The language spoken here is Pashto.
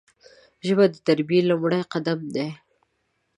ژبه د تربیې لومړی قدم دی